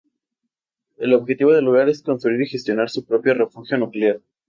El objetivo del jugador es construir y gestionar su propio refugio nuclear.